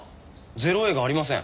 ０−Ａがありません。